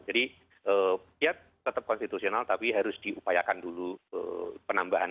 jadi ya tetap konstitusional tapi harus diupayakan dulu penambahan